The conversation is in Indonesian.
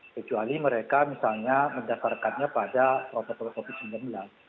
kecuali mereka misalnya mendasarkannya pada protokol covid sembilan belas